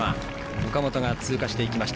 岡本が通過していきました。